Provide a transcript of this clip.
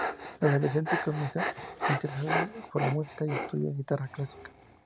De adolescente, comienza a interesarse por la música y estudia guitarra clásica.